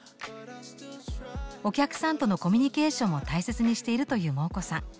お客さんとのコミュニケーションも大切にしているというモー子さん。